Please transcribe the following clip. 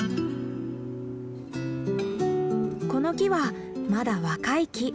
この木はまだ若い木。